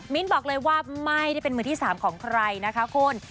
บอกเลยว่าไม่ได้เป็นมือที่๓ของใครนะคะคุณ